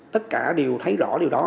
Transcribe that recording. tất cả điều thấy rõ điều đó